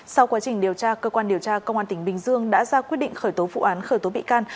sau quá trình điều tra cơ quan điều tra công an tỉnh bình dương đã ra quyết định khởi tố vụ án khởi tố bị can